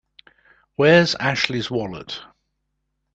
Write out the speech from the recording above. Where's Ashley's wallet?